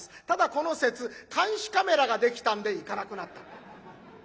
ただこの節監視カメラができたんで行かなくなった。